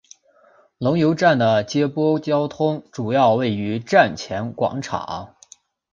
龙游站的接驳交通主要位于站前广场。